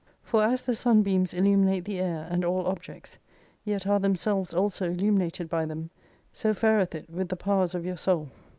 For as the Sun beams illuminate the air and all objects, yet are themselves also illuminated by them, so fareth it with the powers of your soul.